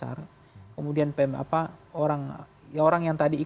bahwa efek kepuasan aprovektasi dan kegiatan itu akan menggantikan psi